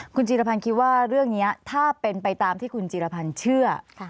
คุณจีรพันธ์คิดว่าเรื่องนี้ถ้าเป็นไปตามที่คุณจีรพันธ์เชื่อ